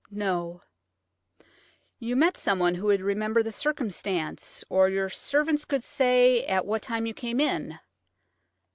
"No." "You met some one who would remember the circumstance–or your servants could say at what time you came in?"